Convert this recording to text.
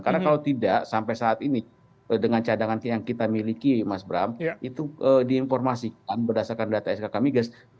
karena kalau tidak sampai saat ini dengan cadangan yang kita miliki mas bram itu diinformasikan berdasarkan data skk migas